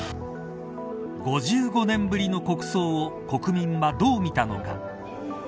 ５５年ぶりの国葬を国民はどう見たのか。